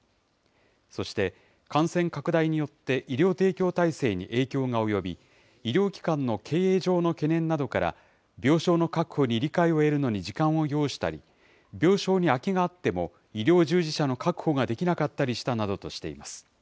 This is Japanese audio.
そして、感染拡大によって医療提供体制に影響が及び、医療機関の経営上の懸念などから、病床の確保に理解を得るのに時間を要したり、病床に空きがあっても医療従事者の確保ができなかったりしたなどとしています。